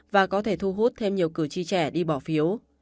và có thể thu hút thêm nhiều cử tri trẻ đi bỏ phiếu